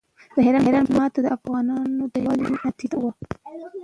د ایران د پوځ ماته د افغانانو د یووالي نتیجه وه.